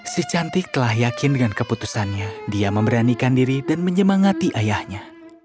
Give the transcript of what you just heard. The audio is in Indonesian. si cantik telah yakin dengan keputusannya dia memberanikan diri dan menyemangati ayahnya